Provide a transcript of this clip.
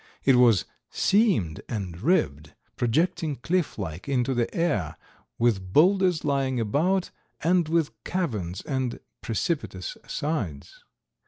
It was seamed and ribbed, projecting cliff like into the air, with boulders lying about and with caverns and precipitous sides.